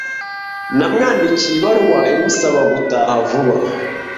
Namwandikiye ibaruwa imusaba gutaha vuba.